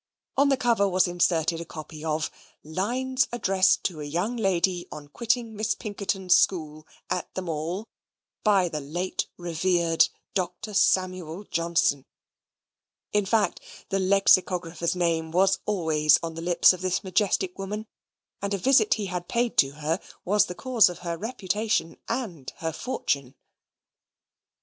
On the cover was inserted a copy of "Lines addressed to a young lady on quitting Miss Pinkerton's school, at the Mall; by the late revered Doctor Samuel Johnson." In fact, the Lexicographer's name was always on the lips of this majestic woman, and a visit he had paid to her was the cause of her reputation and her fortune.